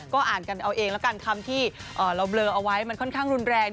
ก็อ่านกันเอาเองแล้วกันคำที่เราเบลอเอาไว้มันค่อนข้างรุนแรง